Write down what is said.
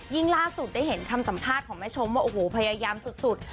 ล่าสุดได้เห็นคำสัมภาษณ์ของแม่ชมว่าโอ้โหพยายามสุด